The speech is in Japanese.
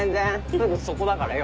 すぐそこだからよ。